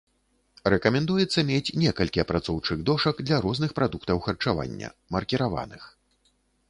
Рэкамендуецца мець некалькі апрацоўчых дошак для розных прадуктаў харчавання, маркіраваных.